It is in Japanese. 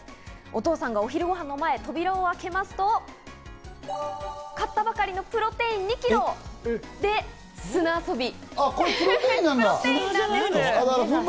お父さんがお昼ごはんの前、扉を開けますと買ったばかりのプロテイン２キロで砂遊び。